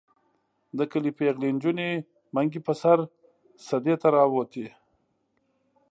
د کلي پېغلې نجونې منګي په سر سدې ته راوتې.